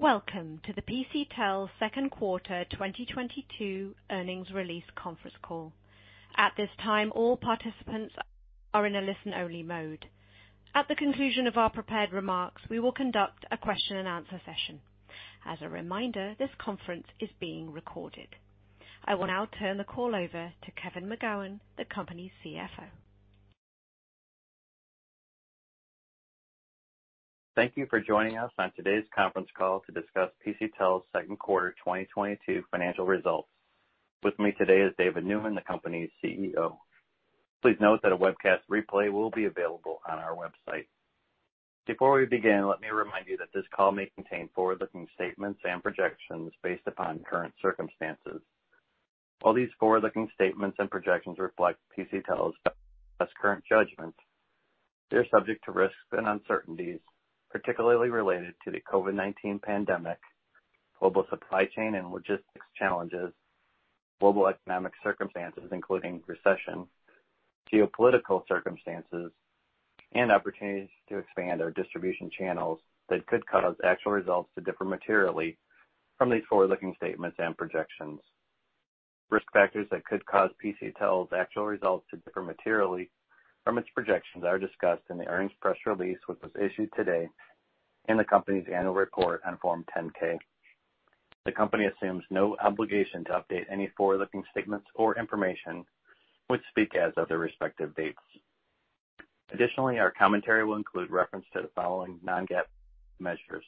Welcome to the PCTEL second quarter 2022 earnings release conference call. At this time, all participants are in a listen-only mode. At the conclusion of our prepared remarks, we will conduct a question-and-answer session. As a reminder, this conference is being recorded. I will now turn the call over to Kevin McGowan, the company's CFO. Thank you for joining us on today's conference call to discuss PCTEL's second quarter 2022 financial results. With me today is David Neumann, the company's CEO. Please note that a webcast replay will be available on our website. Before we begin, let me remind you that this call may contain forward-looking statements and projections based upon current circumstances. While these forward-looking statements and projections reflect PCTEL's best current judgment, they are subject to risks and uncertainties, particularly related to the COVID-19 pandemic, global supply chain and logistics challenges, global economic circumstances, including recession, geopolitical circumstances, and opportunities to expand our distribution channels that could cause actual results to differ materially from these forward-looking statements and projections. Risk factors that could cause PCTEL's actual results to differ materially from its projections are discussed in the earnings press release, which was issued today in the company's annual report on Form 10-K. The company assumes no obligation to update any forward-looking statements or information, which speak as of their respective dates. Additionally, our commentary will include reference to the following non-GAAP measures.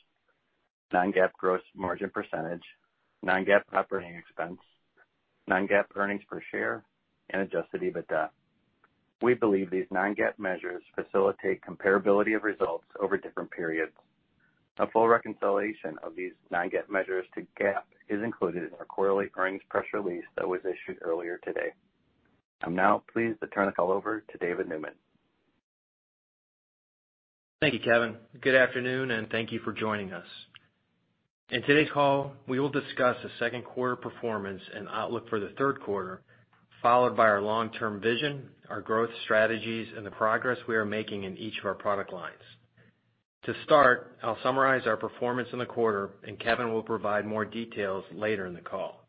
Non-GAAP gross margin percentage, non-GAAP operating expense, non-GAAP earnings per share, and adjusted EBITDA. We believe these non-GAAP measures facilitate comparability of results over different periods. A full reconciliation of these non-GAAP measures to GAAP is included in our quarterly earnings press release that was issued earlier today. I'm now pleased to turn the call over to David Neumann. Thank you, Kevin. Good afternoon, and thank you for joining us. In today's call, we will discuss the second quarter performance and outlook for the third quarter, followed by our long-term vision, our growth strategies, and the progress we are making in each of our product lines. To start, I'll summarize our performance in the quarter, and Kevin will provide more details later in the call.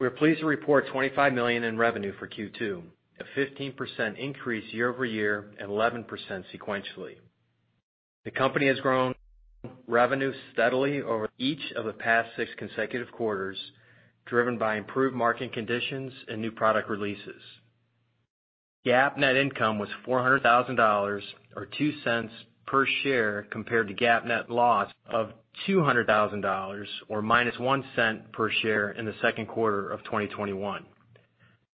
We're pleased to report $25 million in revenue for Q2, a 15% increase year-over-year, and 11% sequentially. The company has grown revenue steadily over each of the past six consecutive quarters, driven by improved market conditions and new product releases. GAAP net income was $400,000 or $0.02 per share compared to GAAP net loss of $200,000 or -$0.01 per share in the second quarter of 2021.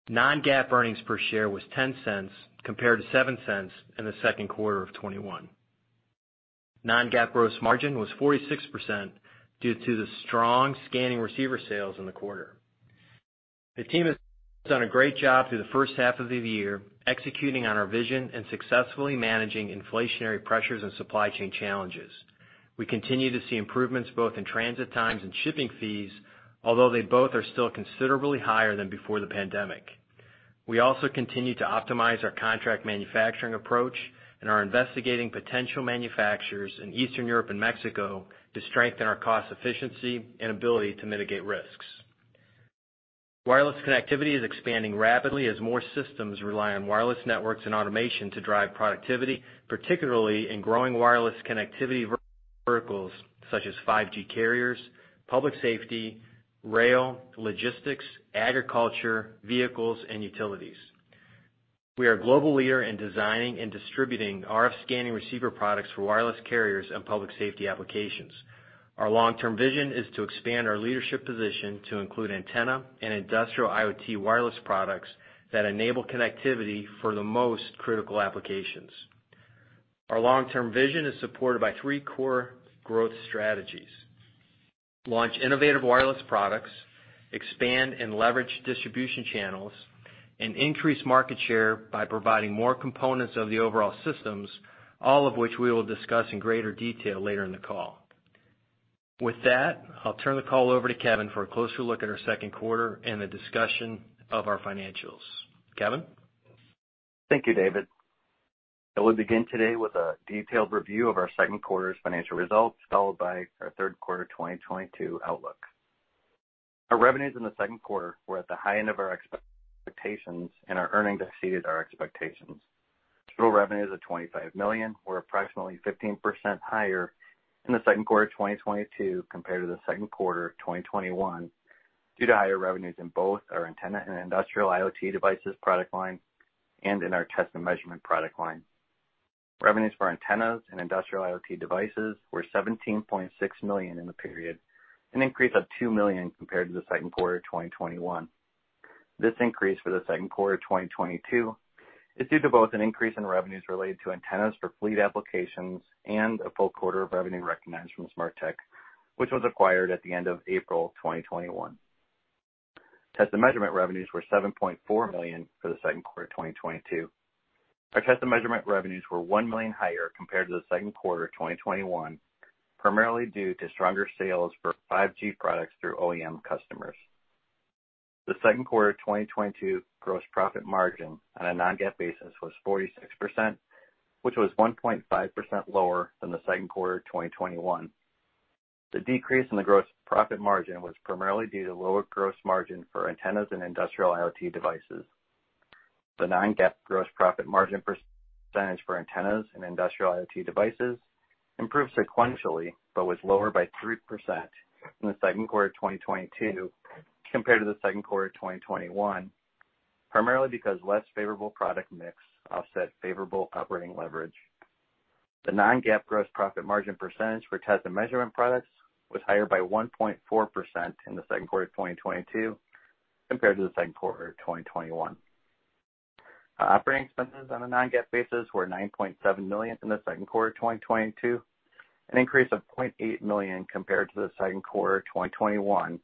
Non-GAAP earnings per share was $0.10 compared to $0.07 in the second quarter of 2021. Non-GAAP gross margin was 46% due to the strong scanning receiver sales in the quarter. The team has done a great job through the first half of the year, executing on our vision and successfully managing inflationary pressures and supply chain challenges. We continue to see improvements both in transit times and shipping fees, although they both are still considerably higher than before the pandemic. We also continue to optimize our contract manufacturing approach and are investigating potential manufacturers in Eastern Europe and Mexico to strengthen our cost efficiency and ability to mitigate risks. Wireless connectivity is expanding rapidly as more systems rely on wireless networks and automation to drive productivity, particularly in growing wireless connectivity verticals such as 5G carriers, public safety, rail, logistics, agriculture, vehicles, and utilities. We are a global leader in designing and distributing RF scanning receiver products for wireless carriers and public safety applications. Our long-term vision is to expand our leadership position to include antenna and industrial IoT wireless products that enable connectivity for the most critical applications. Our long-term vision is supported by three core growth strategies. Launch innovative wireless products, expand and leverage distribution channels, and increase market share by providing more components of the overall systems, all of which we will discuss in greater detail later in the call. With that, I'll turn the call over to Kevin for a closer look at our second quarter and a discussion of our financials. Kevin? Thank you, David. I will begin today with a detailed review of our second quarter's financial results, followed by our third quarter 2022 outlook. Our revenues in the second quarter were at the high end of our expectations, and our earnings exceeded our expectations. Total revenues of $25 million were approximately 15% higher in the second quarter of 2022 compared to the second quarter of 2021 due to higher revenues in both our antenna and industrial IoT devices product line and in our test & measurement product line. Revenues for antennas and industrial IoT devices were $17.6 million in the period, an increase of $2 million compared to the second quarter of 2021. This increase for the second quarter of 2022 is due to both an increase in revenues related to antennas for fleet applications and a full quarter of revenue recognized from Smarteq, which was acquired at the end of April 2021. Test & measurement revenues were $7.4 million for the second quarter of 2022. Our test & measurement revenues were $1 million higher compared to the second quarter of 2021, primarily due to stronger sales for 5G products through OEM customers. The second quarter 2022 gross profit margin on a non-GAAP basis was 46%, which was 1.5% lower than the second quarter 2021. The decrease in the gross profit margin was primarily due to lower gross margin for antennas and industrial IoT devices. The non-GAAP gross profit margin percentage for antennas and industrial IoT devices improved sequentially, but was lower by 3% in the second quarter 2022 compared to the second quarter 2021, primarily because less favorable product mix offset favorable operating leverage. The non-GAAP gross profit margin percentage for test and measurement products was higher by 1.4% in the second quarter 2022 compared to the second quarter 2021. Operating expenses on a non-GAAP basis were $9.7 million in the second quarter 2022, an increase of $0.8 million compared to the second quarter 2021,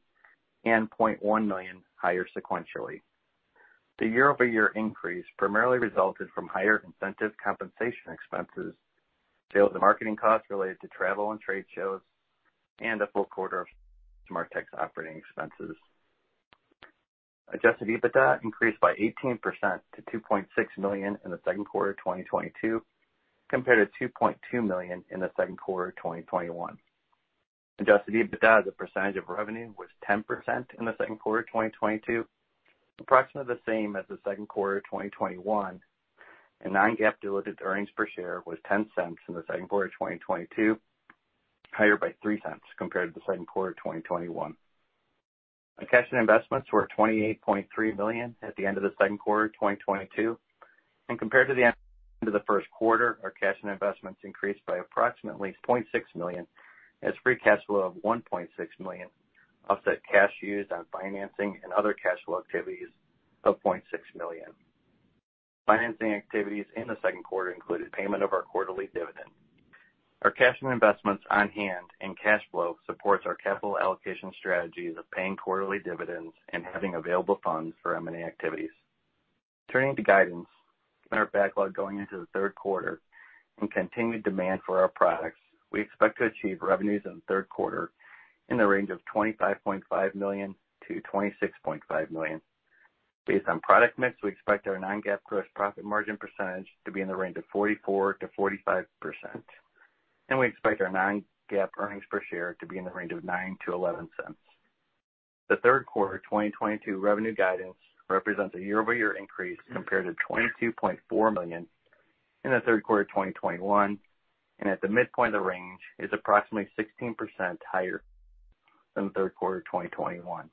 and $0.1 million higher sequentially. The year-over-year increase primarily resulted from higher incentive compensation expenses, sales and marketing costs related to travel and trade shows, and a full quarter of SmartTech's operating expenses. Adjusted EBITDA increased by 18% to $2.6 million in the second quarter 2022, compared to $2.2 million in the second quarter 2021. Adjusted EBITDA as a percentage of revenue was 10% in the second quarter 2022, approximately the same as the second quarter 2021, and non-GAAP diluted earnings per share was $0.10 in the second quarter 2022, higher by $0.03 compared to the second quarter 2021. Our cash and investments were $28.3 million at the end of the second quarter 2022. Compared to the end of the first quarter, our cash and investments increased by approximately $0.6 million, as free cash flow of $1.6 million offset cash used on financing and other cash flow activities of $0.6 million. Financing activities in the second quarter included payment of our quarterly dividend. Our cash and investments on hand and cash flow supports our capital allocation strategies of paying quarterly dividends and having available funds for M&A activities. Turning to guidance and our backlog going into the third quarter and continued demand for our products, we expect to achieve revenues in the third quarter in the range of $25.5 million-$26.5 million. Based on product mix, we expect our non-GAAP gross profit margin percentage to be in the range of 44%-45%, and we expect our non-GAAP earnings per share to be in the range of $0.09-$0.11. The third quarter 2022 revenue guidance represents a year-over-year increase compared to $22.4 million in the third quarter 2021, and at the midpoint of the range is approximately 16% higher than the third quarter 2021.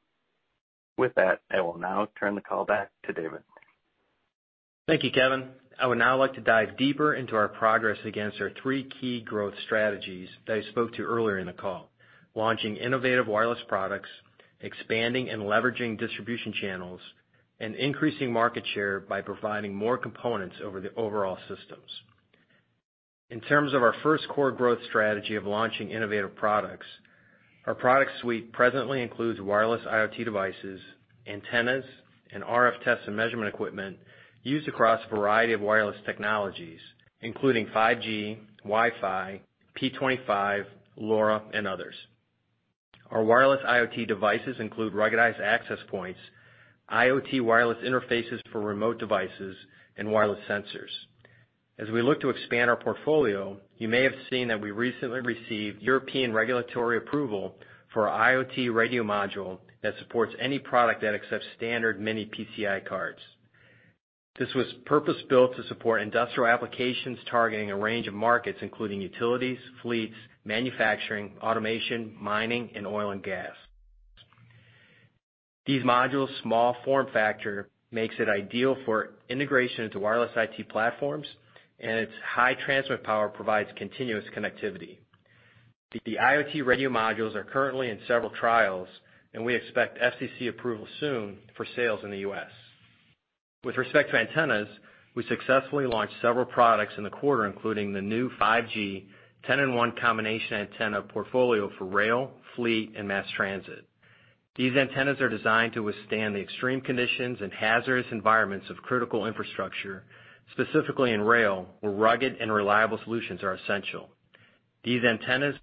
With that, I will now turn the call back to David. Thank you, Kevin. I would now like to dive deeper into our progress against our three key growth strategies that I spoke to earlier in the call, launching innovative wireless products, expanding and leveraging distribution channels, and increasing market share by providing more components over the overall systems. In terms of our first core growth strategy of launching innovative products, our product suite presently includes wireless IoT devices, antennas, and RF test and measurement equipment used across a variety of wireless technologies, including 5G, Wi-Fi, P25, LoRa, and others. Our wireless IoT devices include ruggedized access points, IoT wireless interfaces for remote devices, and wireless sensors. As we look to expand our portfolio, you may have seen that we recently received European regulatory approval for our IoT radio module that supports any product that accepts standard mini-PCIe cards. This was purpose-built to support industrial applications targeting a range of markets, including utilities, fleets, manufacturing, automation, mining, and oil and gas. These modules' small form factor makes it ideal for integration into wireless IT platforms, and its high transmit power provides continuous connectivity. The IoT radio modules are currently in several trials, and we expect FCC approval soon for sales in the U.S. With respect to antennas, we successfully launched several products in the quarter, including the new 5G ten-in-one combination antenna portfolio for rail, fleet, and mass transit. These antennas are designed to withstand the extreme conditions and hazardous environments of critical infrastructure, specifically in rail, where rugged and reliable solutions are essential. These antennas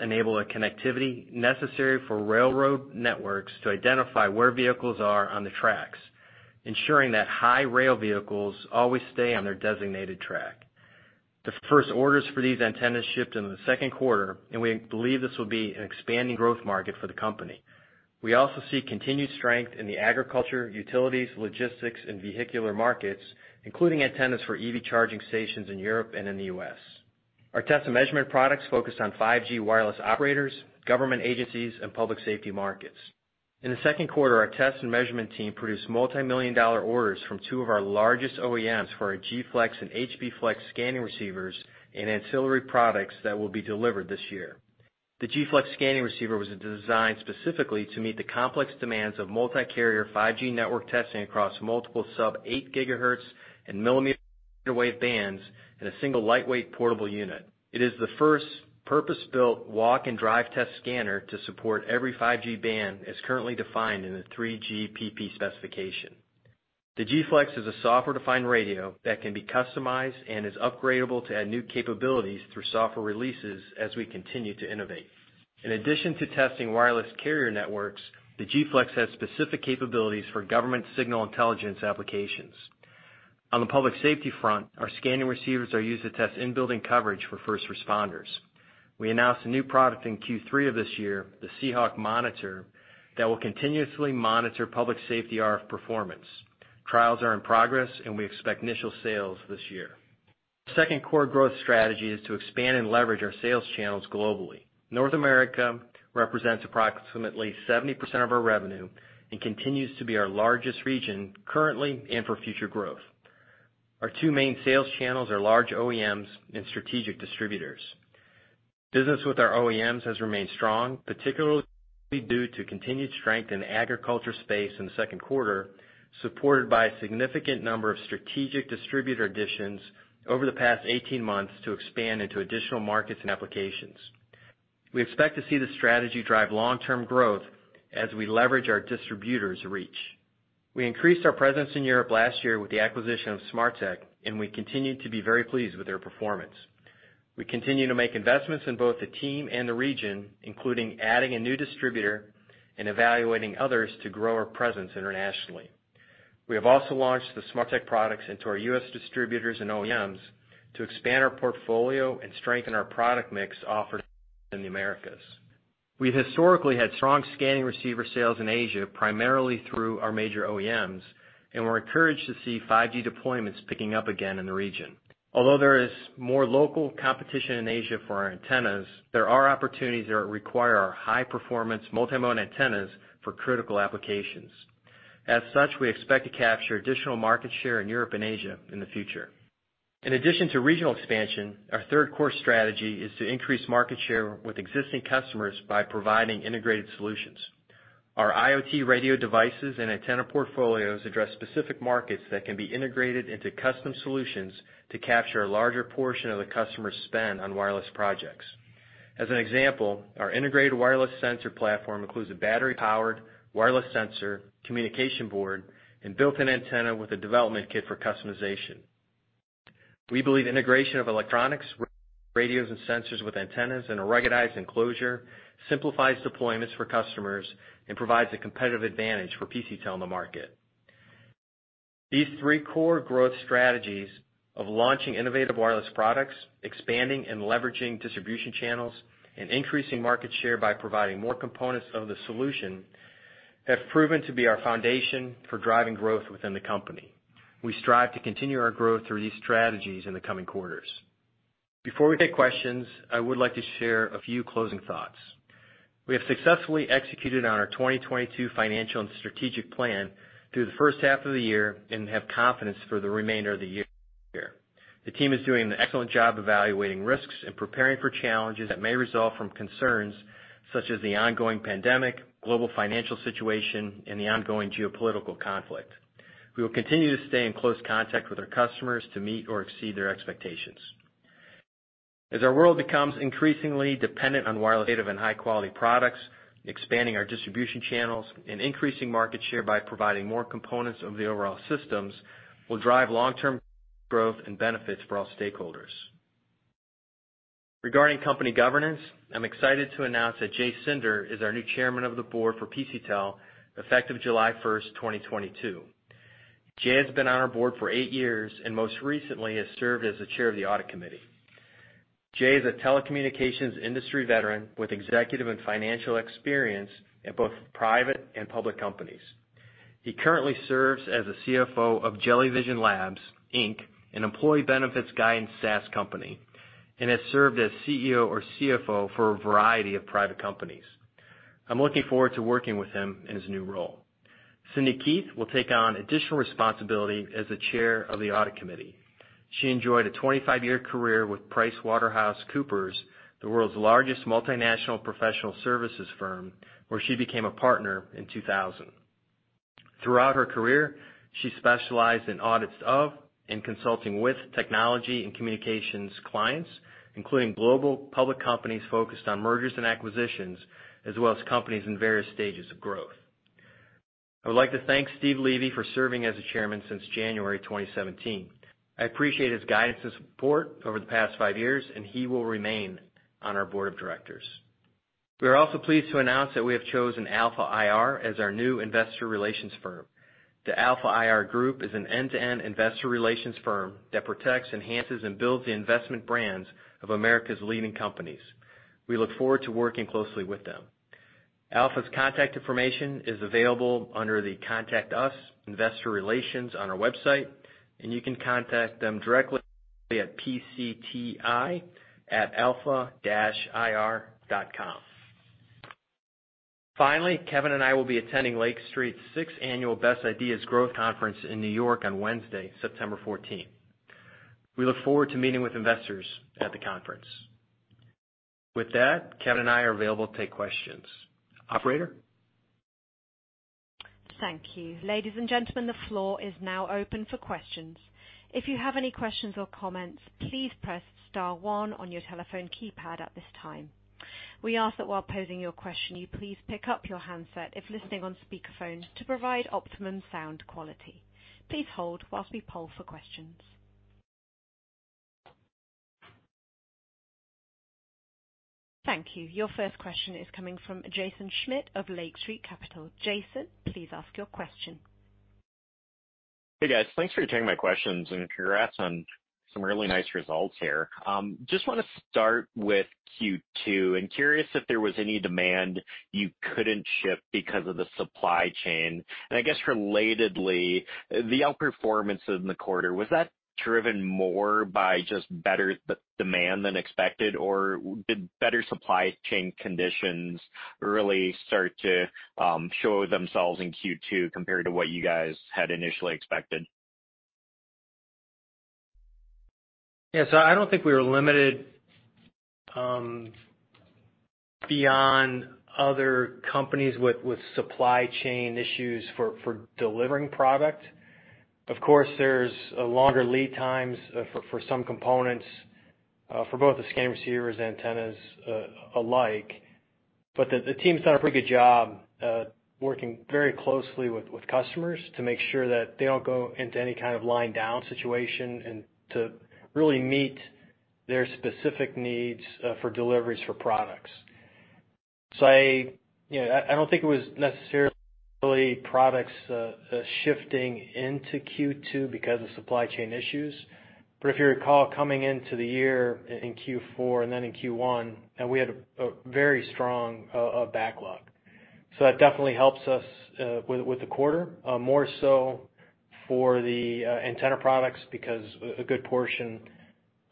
enable a connectivity necessary for railroad networks to identify where vehicles are on the tracks, ensuring that high rail vehicles always stay on their designated track. The first orders for these antennas shipped in the second quarter, and we believe this will be an expanding growth market for the company. We also see continued strength in the agriculture, utilities, logistics, and vehicular markets, including antennas for EV charging stations in Europe and in the U.S. Our test and measurement products focus on 5G wireless operators, government agencies, and public safety markets. In the second quarter, our test and measurement team produced multimillion-dollar orders from two of our largest OEMs for our Gflex and HBflex scanning receivers and ancillary products that will be delivered this year. The Gflex scanning receiver was designed specifically to meet the complex demands of multicarrier 5G network testing across multiple sub-eight gigahertz and millimeter wave bands in a single lightweight portable unit. It is the first purpose-built walk and drive test scanner to support every 5G band as currently defined in the 3GPP specification. The Gflex is a software-defined radio that can be customized and is upgradable to add new capabilities through software releases as we continue to innovate. In addition to testing wireless carrier networks, the Gflex has specific capabilities for government signals intelligence applications. On the public safety front, our scanning receivers are used to test in-building coverage for first responders. We announced a new product in Q3 of this year, the SeeHawk Monitor, that will continuously monitor public safety RF performance. Trials are in progress, and we expect initial sales this year. The second core growth strategy is to expand and leverage our sales channels globally. North America represents approximately 70% of our revenue and continues to be our largest region currently and for future growth. Our two main sales channels are large OEMs and strategic distributors. Business with our OEMs has remained strong, particularly due to continued strength in agriculture space in the second quarter, supported by a significant number of strategic distributor additions over the past eighteen months to expand into additional markets and applications. We expect to see the strategy drive long-term growth as we leverage our distributors' reach. We increased our presence in Europe last year with the acquisition of Smarteq, and we continue to be very pleased with their performance. We continue to make investments in both the team and the region, including adding a new distributor and evaluating others to grow our presence internationally. We have also launched the Smarteq products into our U.S. distributors and OEMs to expand our portfolio and strengthen our product mix offered in the Americas. We've historically had strong scanning receiver sales in Asia, primarily through our major OEMs, and we're encouraged to see 5G deployments picking up again in the region. Although there is more local competition in Asia for our antennas, there are opportunities that require our high-performance multi-mode antennas for critical applications. As such, we expect to capture additional market share in Europe and Asia in the future. In addition to regional expansion, our third core strategy is to increase market share with existing customers by providing integrated solutions. Our IoT radio devices and antenna portfolios address specific markets that can be integrated into custom solutions to capture a larger portion of the customers' spend on wireless projects. As an example, our integrated wireless sensor platform includes a battery-powered wireless sensor, communication board, and built-in antenna with a development kit for customization. We believe integration of electronics, radios, and sensors with antennas in a ruggedized enclosure simplifies deployments for customers and provides a competitive advantage for PCTEL in the market. These three core growth strategies of launching innovative wireless products, expanding and leveraging distribution channels, and increasing market share by providing more components of the solution have proven to be our foundation for driving growth within the company. We strive to continue our growth through these strategies in the coming quarters. Before we take questions, I would like to share a few closing thoughts. We have successfully executed on our 2022 financial and strategic plan through the first half of the year and have confidence for the remainder of the year. The team is doing an excellent job evaluating risks and preparing for challenges that may result from concerns such as the ongoing pandemic, global financial situation, and the ongoing geopolitical conflict. We will continue to stay in close contact with our customers to meet or exceed their expectations. As our world becomes increasingly dependent on wireless, innovative, and high-quality products, expanding our distribution channels and increasing market share by providing more components of the overall systems will drive long-term growth and benefits for all stakeholders. Regarding company governance, I'm excited to announce that Jay Sinder is our new Chairman of the Board for PCTEL, effective July 1st, 2022. Jay has been on our board for eight years and most recently has served as the Chair of the Audit Committee. Jay is a telecommunications industry veteran with executive and financial experience at both private and public companies. He currently serves as the CFO of Jellyvision Labs, Inc, an employee benefits guidance SaaS company, and has served as CEO or CFO for a variety of private companies. I'm looking forward to working with him in his new role. Cindi Keith will take on additional responsibility as the Chair of the Audit Committee. She enjoyed a 25-year career with PricewaterhouseCoopers, the world's largest multinational professional services firm, where she became a partner in 2000. Throughout her career, she specialized in audits of and consulting with technology and communications clients, including global public companies focused on mergers and acquisitions, as well as companies in various stages of growth. I would like to thank Steve Levy for serving as the Chairman since January 2017. I appreciate his guidance and support over the past five years, and he will remain on our board of directors. We are also pleased to announce that we have chosen Alpha IR as our new investor relations firm. The Alpha IR Group is an end-to-end investor relations firm that protects, enhances, and builds the investment brands of America's leading companies. We look forward to working closely with them. Alpha's contact information is available under the Contact Us, Investor Relations on our website, and you can contact them directly at PCTI@alpha-ir.com. Finally, Kevin and I will be attending Lake Street's sixth Annual Best Ideas Growth Conference in New York on Wednesday, September fourteenth. We look forward to meeting with investors at the conference. With that, Kevin and I are available to take questions. Operator? Thank you. Ladies and gentlemen, the floor is now open for questions. If you have any questions or comments, please press star one on your telephone keypad at this time. We ask that while posing your question, you please pick up your handset if listening on speakerphone to provide optimum sound quality. Please hold while we poll for questions. Thank you. Your first question is coming from Jaeson Schmidt of Lake Street Capital Markets. Jaeson, please ask your question. Hey, guys. Thanks for taking my questions, and congrats on some really nice results here. Just wanna start with Q2 and curious if there was any demand you couldn't ship because of the supply chain. I guess relatedly, the outperformance in the quarter, was that driven more by just better demand than expected? Or did better supply chain conditions really start to show themselves in Q2 compared to what you guys had initially expected? I don't think we were limited beyond other companies with supply chain issues for delivering product. Of course, there's longer lead times for some components for both the scanner receivers, antennas, alike. The team's done a pretty good job working very closely with customers to make sure that they don't go into any kind of line down situation and to really meet their specific needs for deliveries for products. I don't think it was necessarily products shifting into Q2 because of supply chain issues. If you recall coming into the year in Q4 and then in Q1, we had a very strong backlog. That definitely helps us with the quarter, more so for the antenna products because a good portion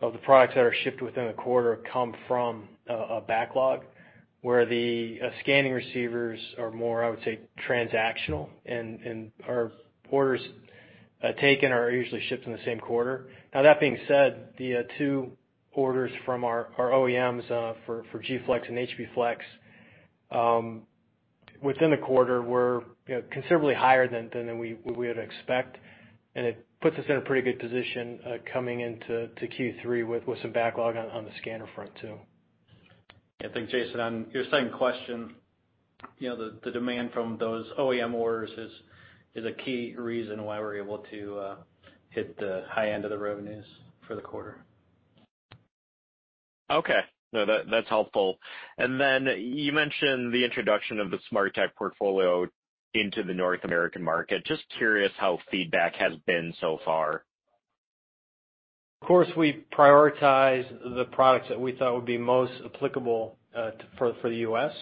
of the products that are shipped within a quarter come from a backlog, where the scanning receivers are more, I would say, transactional and are orders taken are usually shipped in the same quarter. Now that being said, the two orders from our OEMs for Gflex and HBflex within the quarter were, you know, considerably higher than we would expect. It puts us in a pretty good position coming into Q3 with some backlog on the scanner front too. I think, Jaeson, on your second question, you know, the demand from those OEM orders is a key reason why we're able to hit the high end of the revenues for the quarter. Okay. No, that's helpful. You mentioned the introduction of the Smarteq portfolio into the North American market. Just curious how feedback has been so far. Of course, we prioritize the products that we thought would be most applicable for the U.S.,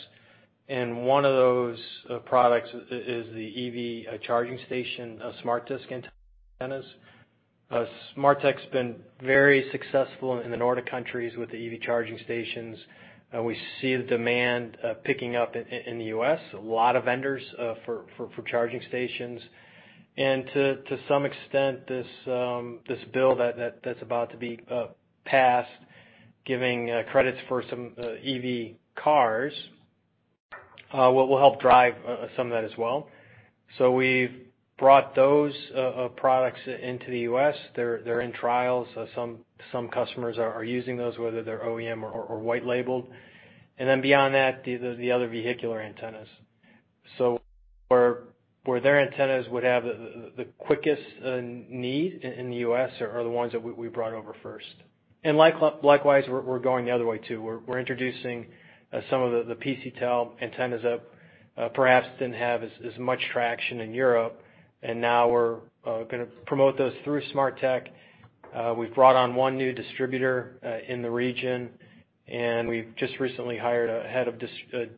and one of those products is the EV charging station SmartDisc antennas. Smarteq's been very successful in the Nordic countries with the EV charging stations. We see the demand picking up in the U.S., a lot of vendors for charging stations. To some extent, this bill that's about to be passed giving credits for some EV cars will help drive some of that as well. We've brought those products into the U.S. They're in trials. Some customers are using those, whether they're OEM or white labeled. Beyond that, the other vehicular antennas. Where their antennas would have the quickest need in the US are the ones that we brought over first. Likewise, we're going the other way too. We're introducing some of the PCTEL antennas that perhaps didn't have as much traction in Europe. Now we're gonna promote those through Smarteq. We've brought on one new distributor in the region, and we've just recently hired a head of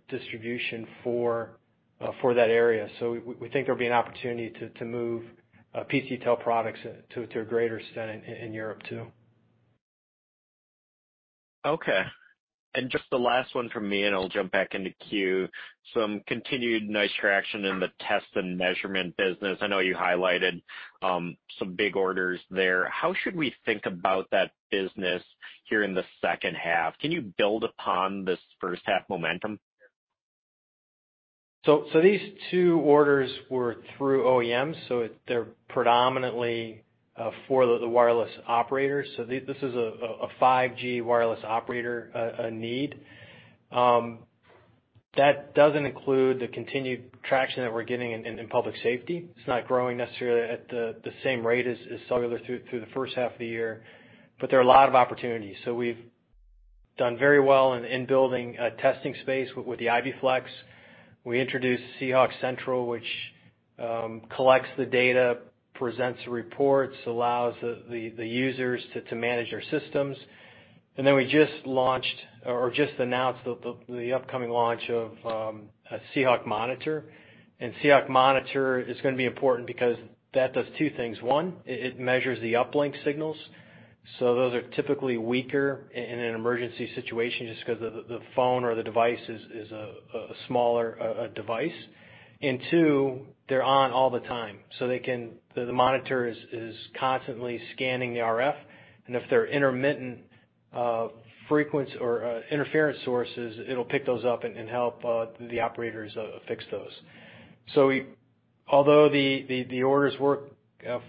distribution for that area. We think there'll be an opportunity to move PCTEL products to a greater extent in Europe too. Okay. Just the last one from me, and I'll jump back into queue. Some continued nice traction in the test and measurement business. I know you highlighted some big orders there. How should we think about that business here in the second half? Can you build upon this first half momentum? These two orders were through OEMs. They're predominantly for the wireless operators. This is a 5G wireless operator need. That doesn't include the continued traction that we're getting in public safety. It's not growing necessarily at the same rate as cellular through the first half of the year. There are a lot of opportunities. We've done very well in building a testing space with the IBflex. We introduced SeeHawk Central, which collects the data, presents the reports, allows the users to manage their systems. Then we just launched or just announced the upcoming launch of a SeeHawk Monitor. SeeHawk Monitor is gonna be important because that does two things. One, it measures the uplink signals. Those are typically weaker in an emergency situation just because the phone or the device is a smaller device. Two, they're on all the time, so the monitor is constantly scanning the RF. And if they're intermittent frequency or interference sources, it'll pick those up and help the operators fix those. Although the orders were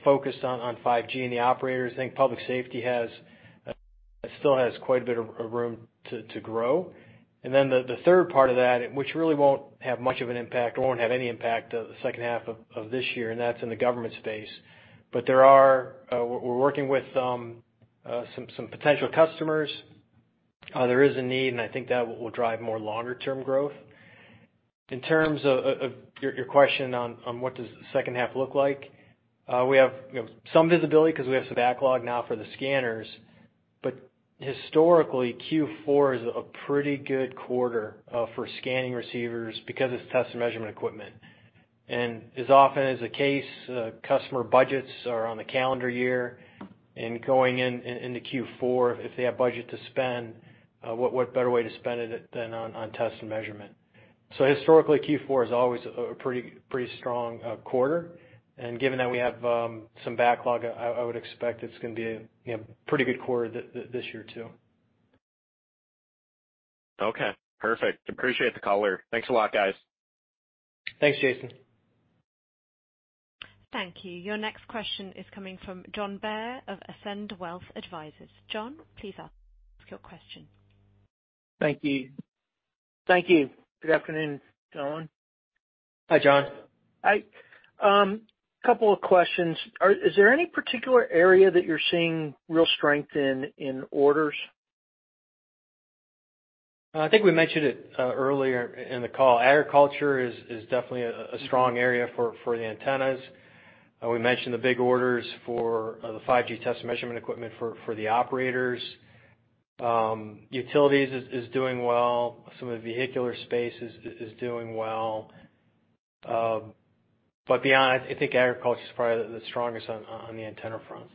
focused on 5G and the operators, I think public safety still has quite a bit of room to grow. Then the third part of that, which really won't have much of an impact or won't have any impact on the second half of this year, and that's in the government space. But we're working with some potential customers. There is a need, and I think that will drive more longer-term growth. In terms of your question on what does the second half look like, we have, you know, some visibility 'cause we have some backlog now for the scanners. Historically, Q4 is a pretty good quarter for scanning receivers because it's test and measurement equipment. As often is the case, customer budgets are on the calendar year and going into Q4 if they have budget to spend, what better way to spend it than on test and measurement? Historically, Q4 is always a pretty strong quarter. Given that we have some backlog, I would expect it's gonna be a, you know, pretty good quarter this year too. Okay, perfect. Appreciate the color. Thanks a lot, guys. Thanks, Jaeson. Thank you. Your next question is coming from John Bair of Ascend Wealth Advisors. John, please ask your question. Thank you. Good afternoon, John. Hi, John. Hi. Couple of questions. Is there any particular area that you're seeing real strength in orders? I think we mentioned it earlier in the call. Agriculture is definitely a strong area for the antennas. We mentioned the big orders for the 5G test measurement equipment for the operators. Utilities is doing well. Some of the vehicular space is doing well. Beyond, I think agriculture is probably the strongest on the antenna front.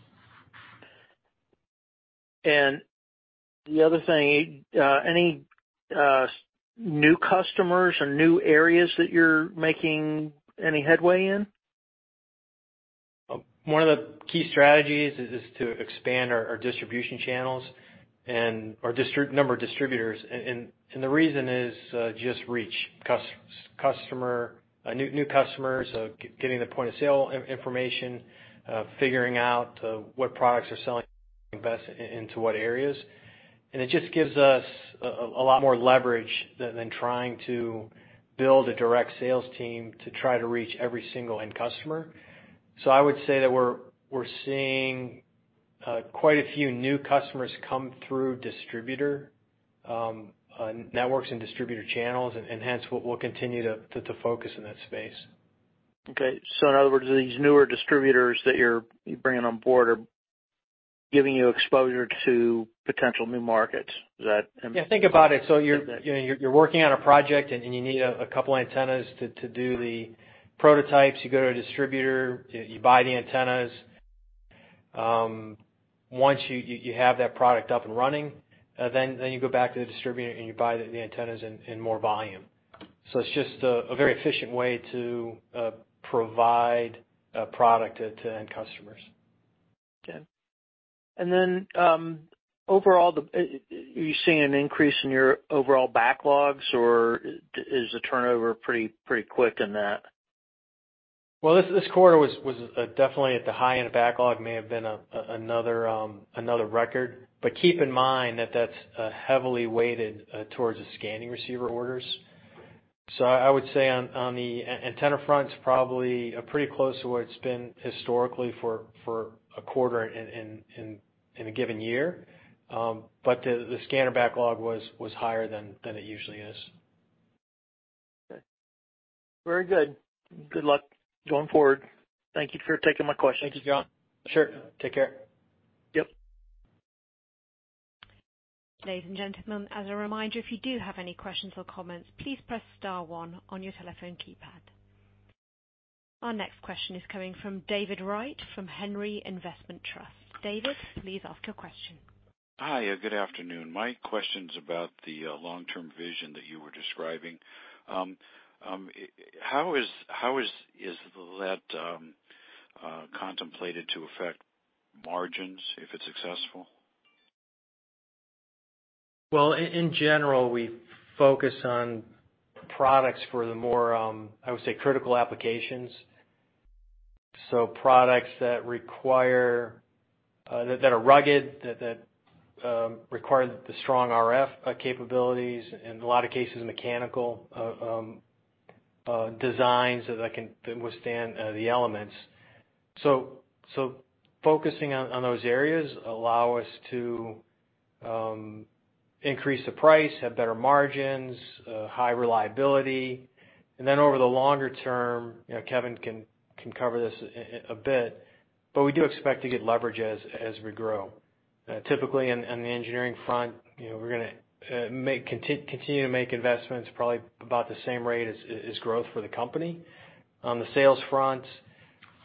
The other thing, any new customers or new areas that you're making any headway in? One of the key strategies is to expand our distribution channels and our number of distributors. The reason is just to reach new customers, getting the point-of-sale information, figuring out what products are selling best into what areas. It just gives us a lot more leverage than trying to build a direct sales team to try to reach every single end customer. I would say that we're seeing quite a few new customers come through distributor networks and distributor channels, and hence we'll continue to focus in that space. Okay. In other words, these newer distributors that you're bringing on board are giving you exposure to potential new markets. Is that? Yeah. Think about it. You're, you know, working on a project and you need a couple antennas to do the prototypes. You go to a distributor, you buy the antennas. Once you have that product up and running, then you go back to the distributor, and you buy the antennas in more volume. It's just a very efficient way to provide a product to end customers. Okay. Overall, are you seeing an increase in your overall backlogs, or is the turnover pretty quick in that? Well, this quarter was definitely at the high end of backlog. May have been another record. Keep in mind that that's heavily weighted towards the scanning receiver orders. I would say on the antenna front, it's probably pretty close to what it's been historically for a quarter in a given year. The scanner backlog was higher than it usually is. Okay. Very good. Good luck going forward. Thank you for taking my questions. Thank you, John. Sure. Take care. Yep. Ladies and gentlemen, as a reminder, if you do have any questions or comments, please press star one on your telephone keypad. Our next question is coming from David Wright from Henry Investment Trust. David, please ask your question. Hi. Good afternoon. My question's about the long-term vision that you were describing. How is that contemplated to affect margins if it's successful? Well, in general, we focus on products for the more, I would say, critical applications. Products that require strong RF capabilities, in a lot of cases, mechanical designs that can withstand the elements. Focusing on those areas allow us to increase the price, have better margins, high reliability. Over the longer term, you know, Kevin can cover this a bit, but we do expect to get leverage as we grow. Typically on the engineering front, you know, we're gonna continue to make investments probably about the same rate as growth for the company. On the sales front,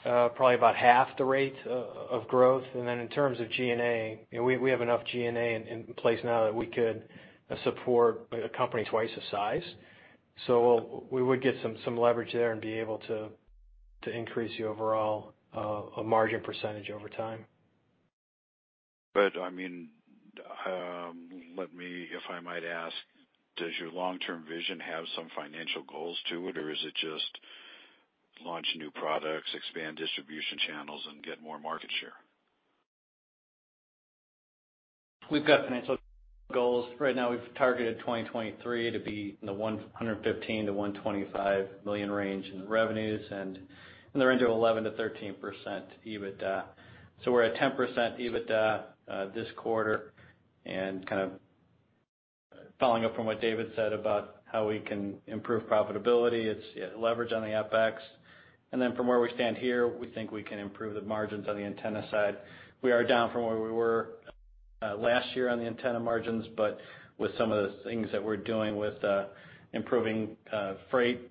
probably about half the rate of growth. In terms of G&A, you know, we have enough G&A in place now that we could support a company twice the size. We would get some leverage there and be able to increase the overall margin percentage over time. I mean, let me, if I might ask, does your long-term vision have some financial goals to it, or is it just launch new products, expand distribution channels, and get more market share? We've got financial goals. Right now, we've targeted 2023 to be in the $115 million-$125 million range in revenues, and in the range of 11%-13% EBITDA. We're at 10% EBITDA this quarter, and kind of following up from what David said about how we can improve profitability, it's leverage on the FX. From where we stand here, we think we can improve the margins on the antenna side. We are down from where we were last year on the antenna margins, but with some of the things that we're doing with improving freight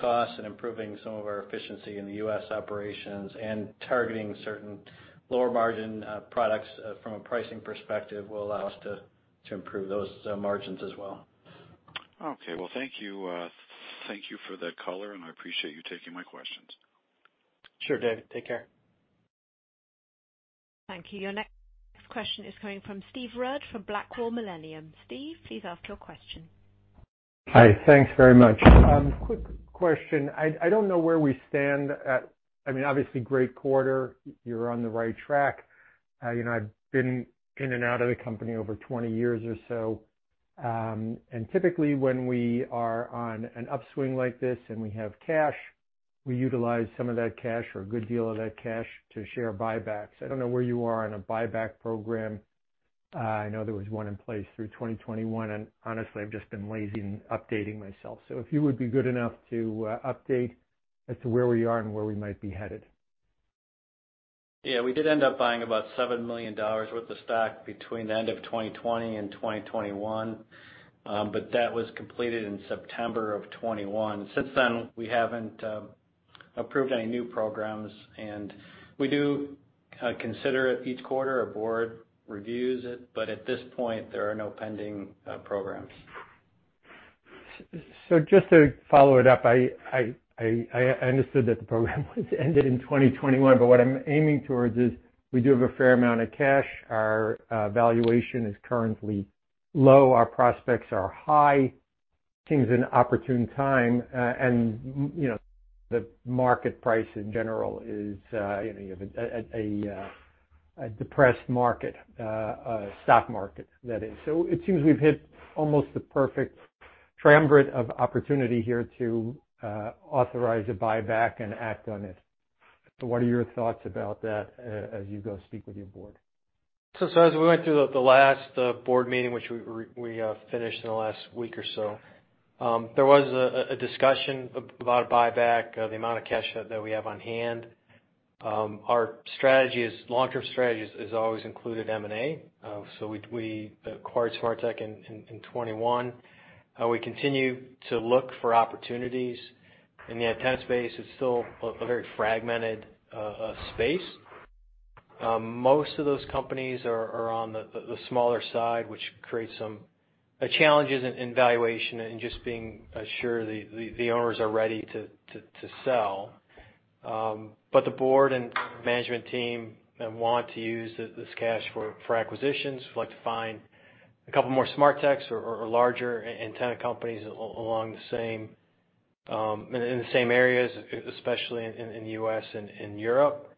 costs and improving some of our efficiency in the U.S. operations and targeting certain lower margin products from a pricing perspective will allow us to improve those margins as well. Okay. Well, thank you. Thank you for the color, and I appreciate you taking my questions. Sure, David. Take care. Thank you. Your next question is coming from Steve Rudd from BlackRock Millennium. Steve, please ask your question. Hi. Thanks very much. Quick question. I don't know where we stand. I mean, obviously great quarter. You're on the right track. You know, I've been in and out of the company over 20 years or so. Typically when we are on an upswing like this and we have cash, we utilize some of that cash or a good deal of that cash to share buybacks. I don't know where you are on a buyback program. I know there was one in place through 2021, and honestly I've just been lazy in updating myself. If you would be good enough to update as to where we are and where we might be headed. Yeah. We did end up buying about $7 million worth of stock between the end of 2020 and 2021, but that was completed in September of 2021. Since then, we haven't approved any new programs, and we do consider it each quarter. Our board reviews it, but at this point, there are no pending programs. Just to follow it up, I understood that the program was ended in 2021, but what I'm aiming towards is we do have a fair amount of cash. Our valuation is currently low. Our prospects are high. Seems an opportune time, and, you know, the market price in general is, you know, you have a depressed market, stock market, that is. It seems we've hit almost the perfect triumvirate of opportunity here to authorize a buyback and act on it. What are your thoughts about that as you go speak with your board? As we went through the last board meeting, which we finished in the last week or so, there was a discussion about a buyback, the amount of cash that we have on hand. Our long-term strategy has always included M&A. We acquired Smarteq in 2021. We continue to look for opportunities. In the antenna space, it's still a very fragmented space. Most of those companies are on the smaller side, which creates some challenges in valuation and just being sure the owners are ready to sell. The board and management team want to use this cash for acquisitions. We'd like to find a couple more Smarteq's or larger antenna companies along the same in the same areas, especially in the U.S. and in Europe.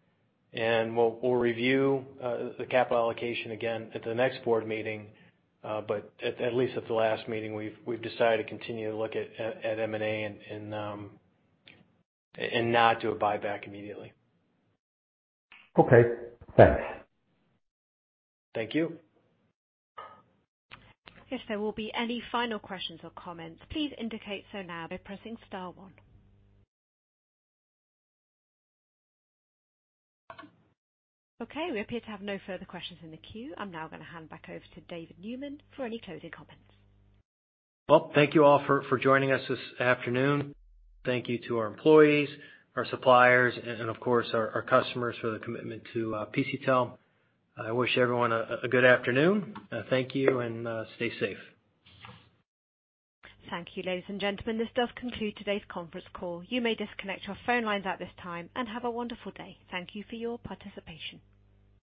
We'll review the capital allocation again at the next board meeting, but at least at the last meeting, we've decided to continue to look at M&A and not do a buyback immediately. Okay. Thanks. Thank you. If there will be any final questions or comments, please indicate so now by pressing star one. Okay, we appear to have no further questions in the queue. I'm now gonna hand back over to David Neumann for any closing comments. Well, thank you all for joining us this afternoon. Thank you to our employees, our suppliers and of course, our customers for their commitment to PCTEL. I wish everyone a good afternoon. Thank you and stay safe. Thank you, ladies and gentlemen. This does conclude today's conference call. You may disconnect your phone lines at this time and have a wonderful day. Thank you for your participation.